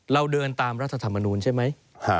เราเดินตามรัฐธรรมนูลใช่ไหม